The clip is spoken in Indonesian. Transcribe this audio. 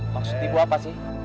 maksud ibu apa sih